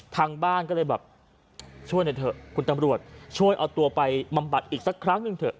ทางบ้านก็เลยแบบช่วยหน่อยเถอะคุณตำรวจช่วยเอาตัวไปบำบัดอีกสักครั้งหนึ่งเถอะ